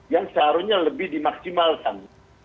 yang seharusnya lebih dimaksimalkan